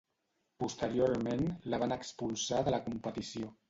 Posteriorment la van expulsar de la competició.